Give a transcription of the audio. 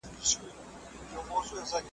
تاریخ د عبرت لویه سرچینه ده.